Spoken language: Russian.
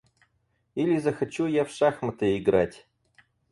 Или захочу я в шахматы играть.